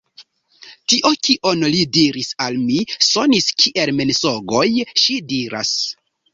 Tio, kion li diris al mi, sonis kiel mensogoj, ŝi diras.